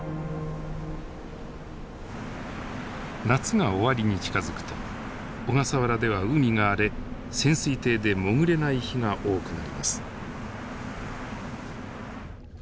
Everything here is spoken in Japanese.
夏が終わりに近づくと小笠原では海が荒れ潜水艇で潜れない日が多くなります。